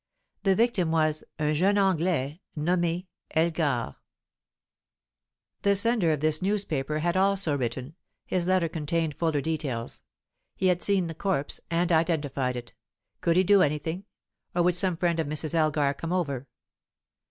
The victim was "un jeune Anglais, nomme Elgare." The sender of this newspaper had also written; his letter contained fuller details. He had seen the corpse, and identified it. Could he do anything? Or would some friend of Mrs. Elgar come over?